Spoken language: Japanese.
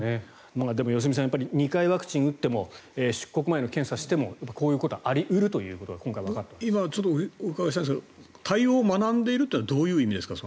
でも、良純さん２回ワクチンを打っても出国前の検査をしてもこういうことがあり得るということが今、お伺いしたいんですが対応を学んでいるっていうのはどういう意味ですか？